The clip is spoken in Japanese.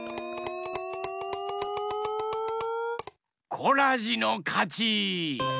コラジのかち！